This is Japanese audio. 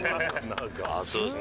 ああそうですか。